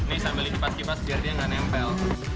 ini sambil di kipas kipas biar dia nggak nempel